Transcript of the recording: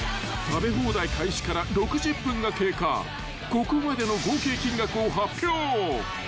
［ここまでの合計金額を発表］